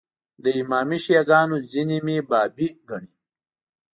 د امامي شیعه ګانو ځینې مې بابي ګڼي.